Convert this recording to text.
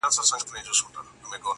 زه سینې د حیوانانو څیرومه؛